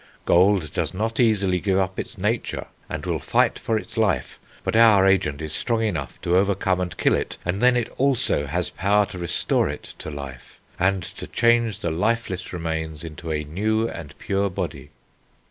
"Gold does not easily give up its nature, and will fight for its life; but our agent is strong enough to overcome and kill it, and then it also has power to restore it to life, and to change the lifeless remains into a new and pure body."